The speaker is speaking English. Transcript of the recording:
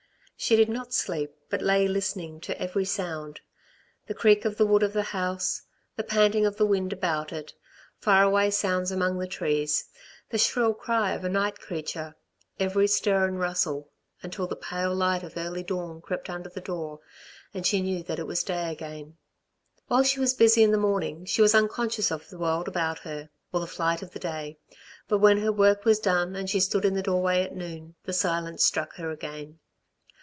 She did not sleep, but lay listening to every sound. The creak of the wood of the house, the panting of the wind about it, far away sounds among the trees, the shrill cry of a night creature, every stir and rustle, until the pale light of early dawn crept under the door, and she knew that it was day again. While she was busy in the morning she was unconscious of the world about her, or the flight of the day, but when her work was done and she stood in the doorway at noon, the silence struck her again.